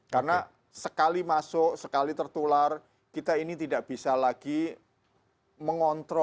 karena sekali masuk sekali tertular kita ini tidak bisa lagi mengontrol